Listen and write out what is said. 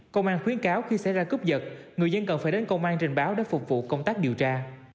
công an khuyến cáo khi xảy ra cướp giật người dân cần phải đến công an trình báo để phục vụ công tác điều tra